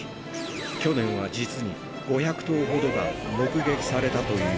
去年は実に５００頭ほどが目撃されたという。